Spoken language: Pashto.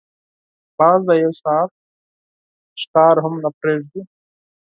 باز د یو ساعت ښکار هم نه پریږدي